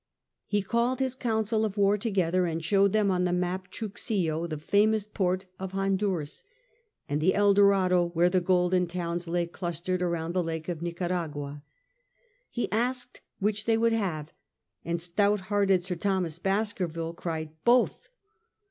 He called his council of war together, and showed them on the map Truxillo, the famous port of Honduras, and the El Dorado, where the golden towns lay clustered around the Lake of Nicaragua. He asked which they would have, and stout hearted Sir Thomas Baskerville cried "Both!"